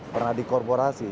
pernah di korporasi